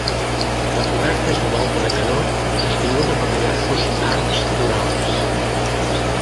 La coberta és de volta de canó sostinguda per diversos arcs torals.